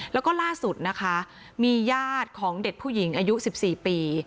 แล้วก็ล่าสุดนะคะมีญาติของเด็กผู้หญิงอายุ๑๔ปี